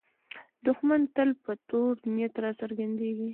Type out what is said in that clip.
دښمن تل په تور نیت راڅرګندېږي